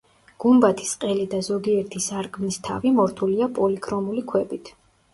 გუმბათის ყელი და ზოგიერთი სარკმლის თავი მორთულია პოლიქრომული ქვებით.